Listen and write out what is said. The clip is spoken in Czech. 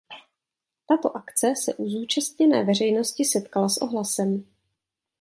Tato akce se u zúčastněné veřejnosti setkala s ohlasem.